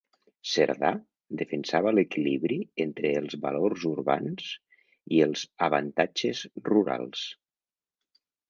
Cerdà defensava l'equilibri entre els valors urbans i els avantatges rurals.